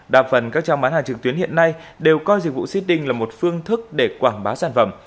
đa phần các trang bán hàng trực tuyến hiện nay đều coi dịch vụ syding là một phương thức để quảng bá sản phẩm